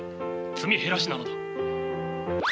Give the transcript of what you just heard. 積み減らしなのだ。